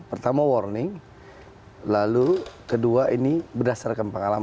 pertama warning lalu kedua ini berdasarkan pengalaman